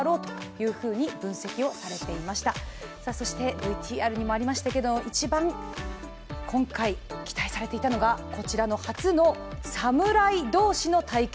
ＶＴＲにもありましたけれども、一番今回期待されていたのがこちらの初の侍同士の対決。